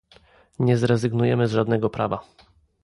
Nie zrezygnujemy z żadnego prawa